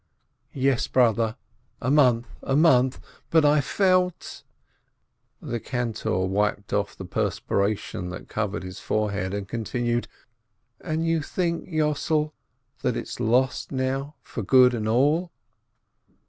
"Yes, brother, a month, a month, but I felt —" The cantor wiped off the perspiration that covered his forehead, and continued: "And you think, Yossel, that it's lost now, for good and all?"